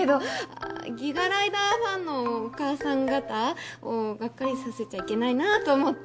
あギガライダーファンのお母さん方をがっかりさせちゃいけないなと思って。